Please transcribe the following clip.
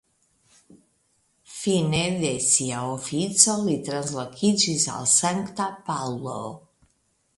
Fine de sia ofico li translokiĝis al Sankta Paŭlo.